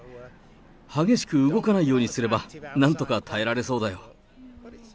激しく動かないようにすれば、なんとか耐えられそうだよ。